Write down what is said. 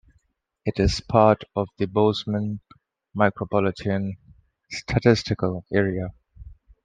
It is part of the 'Bozeman Micropolitan Statistical Area'.